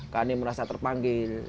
kami merasa terpanggil